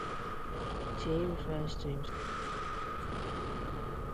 Jay refers to himself as the "Coochie Man".